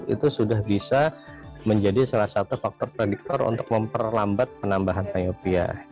itu sudah bisa menjadi salah satu faktor prediktor untuk memperlambat penambahan miopia